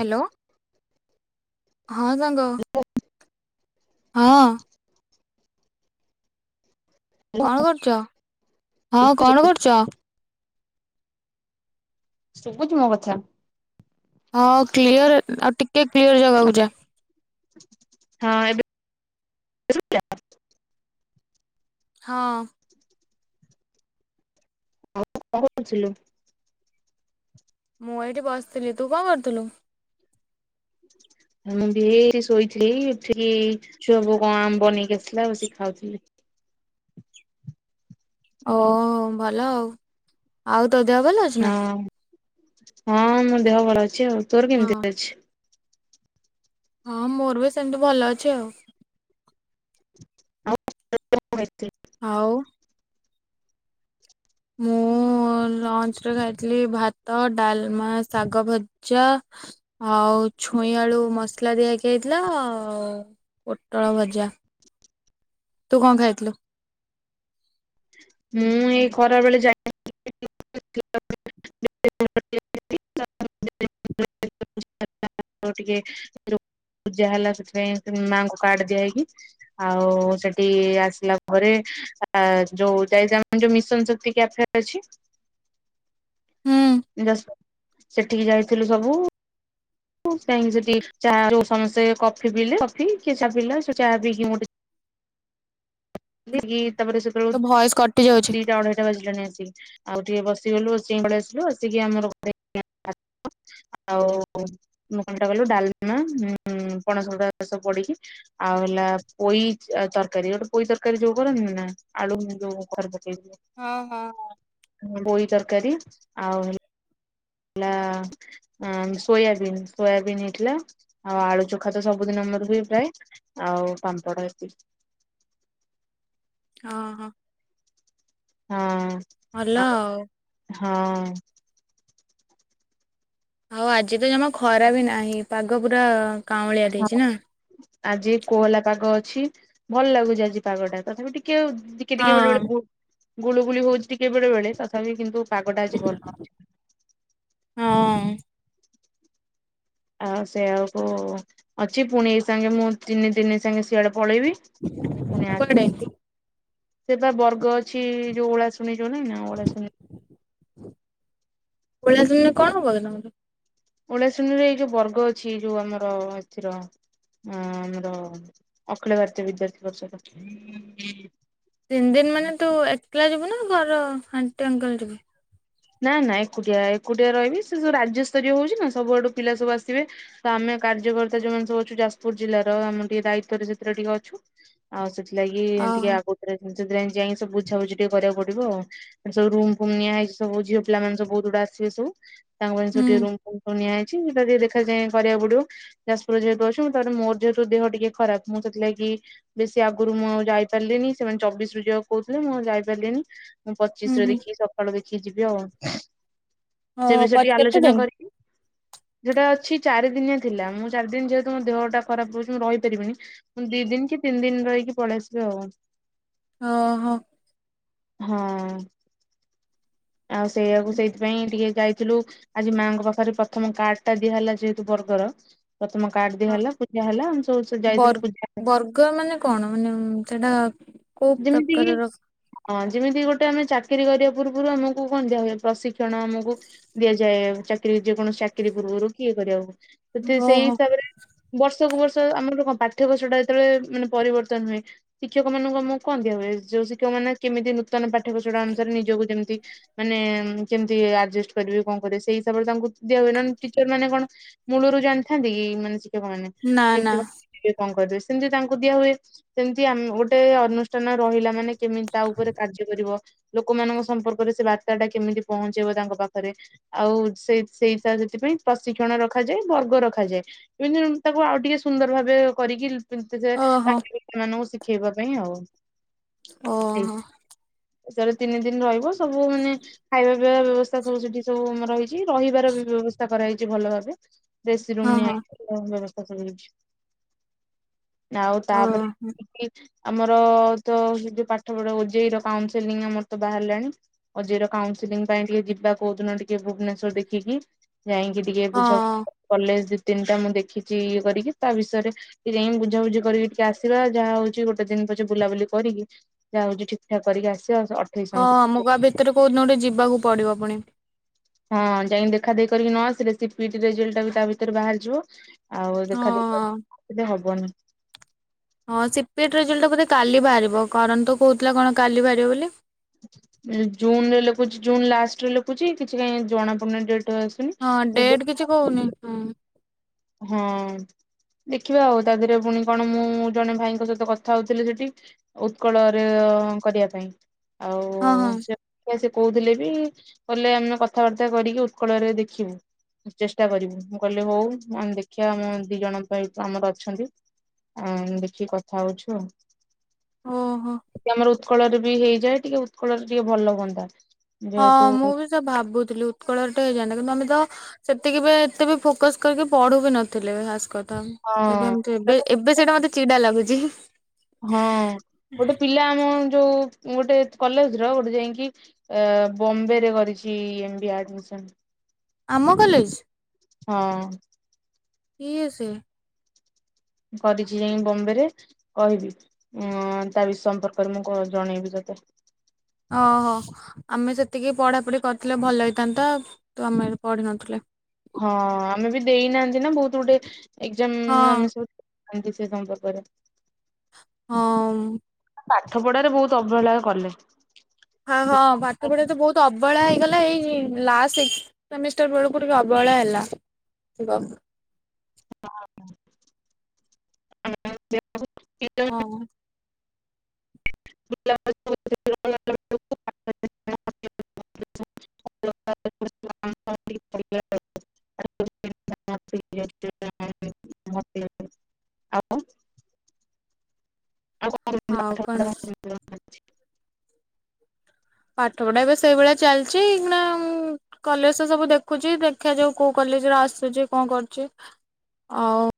Hello ହଁ ସାଙ୍ଗ ହଁ । କଣ କରୁଛ। ହଁ କଣ କରୁଛ? ଶୁଭୁଛିୁ ମୋ କଥା ହଁ କ୍ଲିୟର ଆଉ ଟିକେ କ୍ଲିୟର ଜାଗାକୁ ଯା ହଁ ଏବେ [unintelligible] ହଁ। [unintelligible] ମୁଁ ଏଇଠି ବସିଥିଲି ତୁ କଣ କରୁଥିଲୁ । ମୁଁ ବି ଏଇ ଶୋଇଥିଲି ଉଠିଲି। ଛୁଆ ବୋଉ କଣ ଆମ୍ବ ନେଇକି ଆସିଥିଲା । ବସି ଖାଉଥିଲି। ଓ ଭଲ ଆଉ ତୋ ଦେହ ଭଲ ଅଛି ନା । ହଁ ହଁ ମୋ ଦେହ ଭଲ ଅଛି ଆଉ ତୋର ହଁ କେମିତି ଅଛି? ହଁ ମୋର ବି ସେମିତି ଭଲ ଅଛି ଆଉ ଥିଲ [unintelligible] ହଉ ମୁଁ ଲଞ୍ଚ ରେ ଖାଇଥିଲି ଭାତ ଡାଲମା ଶାଗ ଭଜା ଆଉ ଛୁଇଁ ଆଳୁ ମସଲା ଦିଆକି ହେଇଥିଲା ଆଉ ପୋଟଳ ଭଜା ତୁ କଣ ଖାଇଥିଲୁ ମୁଁ ଏଇ ଖରା ବେଳେ ଯାଇ ହେଲା ସେଥିପାଇଁ ମାଙ୍କୁ କାର୍ଡ ଦିଆ ହେଇକି ଆଉ ସେଠି ଆସିଲା ପରେ ଯୋଉ ଯାଇ ଯୋଉ ମିଶନ ଶକ୍ତି କ୍ୟାଫେ ଅଛି ହୁଁ ଦସ ସେଠିକି ଯାଇଥିଲୁ ସବୁ ଁ ସେଠ ଚା ଯଉ ସମସ୍ତେ କଫି ପିଲେ କଫି କିଏ ଚା ପିଇା ଚାହା ପିଇକି ଗୋେ [unintelligible] ତାପର ସେ ତୋ ଭଏସ କଟି ଯାଉଛି। ଦିଟା ଅଢେଇଟା ବାଜିଲାଣି ଆସି ଆଉ ଟିକେ ବସ ଗ ଆସିଲୁ ଆସି ଆମର ଆଉ ମୁ କଣା କଲୁ ଡାଲମା ପଣସଟା ଚାଷ ପଡିକି ଆଉ ହେଲା ପୋଇ ତରକାରୀ ଗୋଟେ ପୋଇ ତରକାରୀ ଯୋଉ କରନ୍ତି ନା [unintelligible] ଆଳୁ ଯୋଉ କରଦ [unintelligible] ହଁ ହଁ [unintelligible] ତରକାରୀ ଆଉ ହେଲା ହେଲା ସୋୟାବିନ୍ ସୋୟାବିନ୍ ହେଇଥିଲା ଆଉ ଆଳୁ ଚଖା ତ ସବୁଦିନ ମୋର ହୁଏ ପ୍ର ଆଉ ପାମ୍ପଡ ହଁ ହ ହଁ ହଁ ହଉ ଆଜି ତ ଜମା ଖରା ବି ନାହିଁ ପାଗ ପୁରରା କାଉଁଳିଆ ହଁ ଦେଇଛି ନା ଆଜି କୋହଲା ପାଗ ଅଛି ଭଲ ଲାଗୁଛି ଆଜି ପାଗଟା ତଥାପି ଟିକେ ଟିକେ ଟିକେ ଟିକେ ବେଳେ ହଁ ବେଳେ ବହୁ ଗୁଳୁଗୁଳି ହଉଛି ଟିକେ ବେଳେ ବେଳେ ତଥାପି କିନ୍ତୁ ପାଗଟା ଆଜି ଭଲ ହଁ ଆଉ ସେଆଉକୁ ଅଛି ପୁଣି ସାଙ୍ଗେ ମୁଁ ତିନି ଦିନି ସାଙ୍ଗେ ସିଆଡେ ପଳେଇବି କୁଆଡେ ପୁଣିଆସିକି ସେଟ ବର୍ଗ ଅଛି ଯୋଉ ଓଳାସ [unintelligible] ଶୁଣି ଚଲ ନା ଓ ଶୁଣ [unintelligible] ପଳିଆ ସମୟରେ କଣ ହବ କ ତମର [unintelligible] ଓଳିଆ ଶୁଣୀରେ ଏଇ ଯୋଉ ବର୍ଗ ଅଛି ଯୋଉ ଆମର ଏଥିର ଆମର ଅଖିଳ ଭାରତୀୟ ବିଦ୍ୟାର୍ଥୀ ବର୍ଷ ତିନ ଦିନ ମାନେ ତୁ ଏକେଲା ଯିବୁ ନା ଘର ଆଣ୍ଟି ଅଙ୍କଲ ଯିବୁ ନା ନା ଏକୁଟିଆ ଏକୁଟିଆ ରହିବି ସେ ସବୁ ରାଜ୍ୟସ୍ତରୀୟ ହଉଛି ନା ସବୁଆଡୁ ପିଲା ସବୁ ଆସିବେ ତ ଆମେ କାର୍ଯ୍ୟକର୍ତ୍ତା ଯୋଉମାନେ ସବୁ ଅଛୁ ଯାଜପୁର ଜିଲ୍ଲାର ଆମ ଟିକେ ଦାୟିତ୍ଵରେ ସେଥିରେ ଟିକେ ଅଛୁ ଆଉ ସେଥି ଥିଲା କି ଏିତିି ଓହୋ ଆଗରେବୁ [unintelligible] ପଛା ପଛି ଟିକେ କରିବାକୁ ପଡିବ ଆ ସବୁ ରୁମ ଫୁମ୍ ନିଆ ହେଇଛି ସବୁ ଝିଅ ପିଲା ମାନ ସବ ବହୁତ ଗୁଡା ଆସିବେ ସବୁ ତାଙ୍କ ପାଇଁ ହୁଁ ସେଠି ରୁମ ଫୁମ ସବୁ ନିଆହେଇଛି [unintelligible] ଦେଖ ଯାଏ କରିବାକୁ ପଡିବ ଯାଜପୁର ଯେହେତୁ ଅଛିଁ ତାପରେ ମୋର ଯେହେତୁ ଦେହ ଟିକେ ଖରାପ। ମୁଁ ସେଥିଲାଗି ବେଶୀ ଆଗରୁ ମୁଁ ଯାଇପାରିଲିିନି। ସେମାନେ ଚବିଶ ର ଯିବାକୁ କହୁଥିଲେ ମୁଁ ଯାଇପାରିଲିନି। ମୁଁ ପଚିଶ ହୁଁ ରେ ହୁଁ ଦେଖି ସକାଳୁ ଦେଖି ଯିବି ଆଉ। ସେ ଓହୋ ବିଷୟ ପ ଟିକେ କେତେ ଆଲୋଚନା ଦିନ? କରିକି ଯଉଟା ଅଛି ଚାରି ଦିନିଆ ଥିଲା। ମୁଁ ଚାରି ଦିନ ଯେହେତୁ ମୋ ଦେହ ଟା ଖରାପ ହଉଛି ମୁଁ ରହିପାରିବିନି। ମୁଁ ଦି ଦିନ କି ତିନି ଦିନ ରହିକି ପଳେଇ ଆସିବି ଆଉ। ଅ ହୋ। ହଁ। ଆଉ ସେଇଆକୁ ସେଇଥିପାଇଁ ଟିକେ ଗାଇ ଥିଲୁ ଆଜି ମାଂଙ୍କ ପାଖରେ ପ୍ରଥମ କାର୍ଡ ଟା ଦିଆ ହେଲା ଯେହେତୁ ବର୍ଗର ପ୍ରଥମ କାର୍ଡ ଦିଆ ହଁ ହେଲା ପୂଜା ହେଲା ଆମେ ସବୁ ବ ଯାଇଥିଲୁ ପୂଜା ବର୍ଗ ମାନେ କଣ ମାନେ ଉମ୍ ସେଟା କୋଉ ଯେମିତି କିି ପ୍ରକାରର? ହଁ ଯେମିତି ଗୋଟେ ଆମେ ଚାକିରି କରିବା ପୂର୍ବରୁ ଆମକୁ କଣ ଦିଆ ହୁଏ ପ୍ରଶିକ୍ଷଣ ଆମକୁ ଦିଆଯାଏ ଚାକିରି ଯେକୌଣସି ଚାକିରି ପୂର୍ବରୁ ଇଏ କରିବାକୁ। ତ ସେଇ ଓହୋ ହିସାବରେ ବସ୍ ପ୍ରତ୍ୟେକ ବର୍ଷ ଆମର କଣ ପାଠ୍ୟ କୋଷଟା ଯେତେବେଳେ ମାନେ ପରିବର୍ତ୍ତନ ହୁଏ। ଶିକ୍ଷକ ମାନଙ୍କୁ ଆମଙ୍କୁ କଣ ଦିଆ ହୁଏ? ଯୋଉ ଶିକ୍ଷକ ମାନେ କେମିତି ନୂତନ ପାଠ୍ୟକୋଷଟା ଅନୁସାରେ ନିଜକୁ ଯେମିତି ମାନେ କେମିତି ଆଯେଷ୍ଟ କରିବେ କଣ କରିବେ ସେଇ ହିସାବରେ ତାଙ୍କୁ ଦିଆ ହୁଏ। ଟିଚର ମାନେ କଣ ମୂଳରୁ ଜାଣିଥାନ୍ତି କି ମାନେ ଶିକ୍ଷକ ମାନେ ନା ନା କେମିତି [inaudible] କରିବେ। ସେମିତି ତାଙ୍କୁ ଦିଆ ହୁଏ ସେମିତି ଆମେ ଗୋଟେ ଅନୁଷ୍ଠାନ ରହିଲା ମାନେ କେମିତି ତା ଉପରେ କାର୍ଯ୍ୟ କରିବ। ଲୋକମାନଙ୍କ ସମ୍ପର୍କରେ ସେ ବା ତାଟା କେମିତି ପହଞ୍ଚେଇବ ତାଙ୍କ ପାଖରେ। ଆଉ ସେ ସେଇଟ ସେଥିପାଇଁ ପ୍ରଶିକ୍ଷଣ ରଖାଯାଏ ବର୍ଗ ରଖାଯାଏ। ଏମିତି ତାକୁ ଆଉ ଟିକେ ସୁନ୍ଦର ଭାବେ କରିକି ଏମିତି ଯେ ଓହୋ [unintelligible] ଖେଇବା ପାଇଁ ଆଉ। ହେଇ ଓହୋ ଏଥରେ ତିନି ଦିନ ରହିବ। ତ ଭଗମାନେ ବ୍ୟବସ୍ଥା ସବୁ ସେଠି ସବୁ ମ ରହିଛି ରହିବାର ବି ବ୍ୟବସ୍ଥା କରାଯାଇଛି ଭଲ ଭାବେ। ଏ ସି ହଁ ରୁମ୍ ହଁ ନିଆହେଇଚି [inaudible] [inaudible] ଆଉ ତାପରେ ଓହୋ [inaudible] ଆମର-ଅ-ଅ-ଅ ତ ସେ ଯୋଉ ପାଠ ପଢା ଓଯେଇ ର କାଉନସେଲିଂ ଆମର ତ ବାହାରିଲାଣି ଓଜେଇ ର କାଉନସେିଲିଂ ପାଇଁ ଟିକେ ଯିବା କହୁଦିନ ଟିକେ ଭୁବନେଶ୍ଵର ଦେଖିକି। ଯାଇକି ଟିକେ ବୁଝା ହଁ। କଲେ ତିନିଟା ମୁଁ ଦେଖିଛି ଇଏ କରିକି ତା ବିଷୟରେ ଟିକେ ଯାଇ ବୁଝାବୁଝି କରିକି ଟିକେ ଆସିବା ଯାହା ହଉଛି ଗୋଟେ ଦିନ ପଛେ ବୁଲାବୁଲି କରିକି ଯାହା ହଉଛି ଠିକ ଠାକ କରିକି ଆସି ହଁ ମୁମଗା ଭିତରେ କଉଦିନ ଗୋଟେ ଯିବି ଯିବାକୁ ପଡ଼ିବ ପୁଣି। ହଁ ଯାଇକି ଦେଖା ଦେଖି କରିକି ନ ଆସିଲେ ସେ ପି ଇ ଟି ରେଜଲ୍ଟ ଟା ବି ତା ଭିତରେ ବାହାରିଯିବ। ଆଉ ହଁ ଦେଖା ହଁ। ଦେଖି [unintelligible] ବନ। ହଁ ସେ ପି ଇ ଟି ରେଜଲଟ ଟା ବୋଧେ କାଲି ବାହାରିବ କରନ୍ ତ କହୁଥିଲା କଣ କାଲି ବାହାରିବ ବୋଲି। ଜୁନ ରେ ଲେଖୁଛି ଜୁନ ଲାଷ୍ଟରେ ଲେଖୁଛି କିଛି କାଇ ଜଣା ପଡୁନି ଡେଟ। ଆସୁନି। ହଁ ଗୁଗଲ ଡେଟ କିଛି କହୁନି। ହୁଁ। ହଁ ଦେଖିବା ଆଉ ତା ଦିହରେ ପୁଣି କଣ ମୁଁ ଜଣେ ଭାଇଙ୍କ ସହିତ କଥା ହଉଥିଲି ସେଠି ଉତ୍କଳରେ କରିବା ପାଇଁ। ହଁ ହଁ ଆଉ। କହୁଥିଲେ ବି କହିଲେ ଆମେ କଥାବାର୍ତ୍ତା କରିକି ଉତ୍କଳରେ ଦେଖିବୁ ଚେଷ୍ଟା କରିବୁ ମୁଁ କହିଲି ହଉ। ଆମେ ଦେଖିବା ଆମ ଦି ଜଣ ପାଇଁ ଆମର ଅଛନ୍ତି ଆ ଦେଖିକି କଥା ହଉଛୁ ଆଉ। ଓ ହୋ। ଆମର ଉତ୍କଳରେ ବି ହେଇଯାଏ ଟିକେ ଉତ୍କଳରେ ଟିକେ ଭଲ ହୁଅନ୍ତା। ହଁ ଯେହେତୁ ମୁଁ ବି ତ ଭାବୁଥିଲି ଉତ୍କଳରେ ହେଇଯାଆନ୍ତା କିନ୍ତୁ ଆମେ ତ ସେତିକି ବି ଏତେ ବି ଫୋକସ କରିକି ପଢୁ ବି ନଥିଲେ ଖାସ କରି। ତ ସେବେ ଏମତି ଏବେ ଏବେ ହଁ ସେଇଟା ମତେ ଚିଡା ଲାଗୁଛି। ହଁ ଗୋଟେ ପିଲା ଆମ ଯୋଉ ଗୋଟେ କଲେଜ ର ଗୋଟେ ଯାଇକି ବମ୍ବେରେ କରିଛି ଏ ମ୍ୱି ଏ ଆଡମିଶନ୍। ଆମ କଲେଜ? ହଁ। କିଏ ସେ? କରିଛି ଯାଇ ବମ୍ବେ ରେ। କହିବି ତା ବି ସମ୍ପର୍କରେ ମୁଁ ଜଣେଇବି ତତେ। ଓହୋ ଆମେ ସେତିକି ପଢାପଢି କରିଥିଲେ ଭଲ ହେଇଥାନ୍ତା। ତୁ ଆମେ ପଢିିନଥିଲେ। ହଁ ଆମେ ବି ଦେଇନାହାନ୍ତି। ନା ବହୁତ ଗୁଡେ ଏକଜାମ୍ ହଁ ଆମେ ସବୁ ସେ ସମ୍ପର୍କରେ। ହଁ। ପାଠ ପଢାରେ ବହୁତ ଅବହେଳା କଲେ। ହଁ ହଁ ସେ ପାଠ ପଢା ତ ବହୁତ ଅବହେଳା ହେଇ ଏଇ ଲାଷ୍ଟ ଏକ୍ସପ୍ଲାନେଷ୍ଟ ବେଳକୁ ଟିକେ ଅବହେଳା ହେଲା ହବ। [unintelligible] ହଁ। [unintelligible] ଆଉ। ଆଉ କଣ [unintelligible] ପାଠ ପଢା ଏବେ ସେଇଭଳିଆ ଚାଲିଛି। ନା କଲେଜ ତ ସବୁ ଦେଖୁଛି ଦେଖା ଯାଉ କୋଉ କଲେଜରେ ଆସୁଛି। କଣ କରୁଛି ଆଉ।